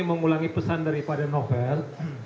mengulangi pesan daripada novel